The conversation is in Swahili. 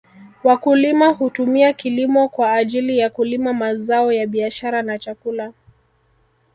Wakulima hutumia kilimo kwa ajili ya kulima mazao ya biashara na chakula